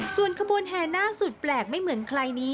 ส่วนขบวนแห่นาคสุดแปลกไม่เหมือนใครนี้